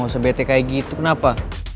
mau sebetek kayak gitu kenapa